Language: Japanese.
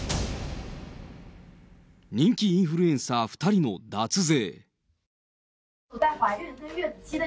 人気インフルエンサー２人の脱税。